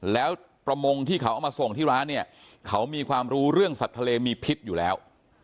แล้วประมงที่เขาเอามาส่งที่ร้านเนี่ยเขามีความรู้เรื่องสัตว์ทะเลมีพิษอยู่แล้ว